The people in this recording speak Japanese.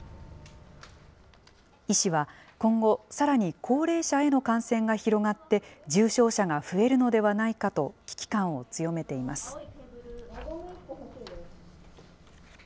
医師は今後、さらに高齢者への感染が広がって、重症者が増えるのではないかと危機感を強めています。